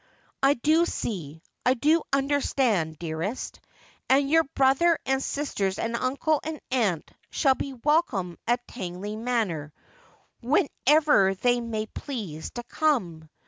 ' I do see, I do understand, dearest. And your brother and sisters and uncle and aunt shall be welcome at Tangley Manor whenever they may please to come.